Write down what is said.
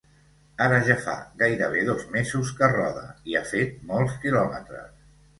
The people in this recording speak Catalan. Ara ja fa gairebé dos mesos que roda, i ha fet molts quilòmetres.